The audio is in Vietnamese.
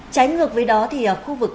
trái ngược với đó thì ở khu vực năm